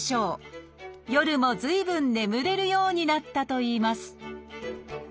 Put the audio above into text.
夜も随分眠れるようになったといいます